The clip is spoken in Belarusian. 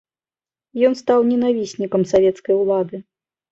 Ён стаў ненавіснікам савецкай улады.